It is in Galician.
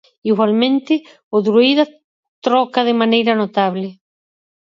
Igualmente o druída troca de maneira notable.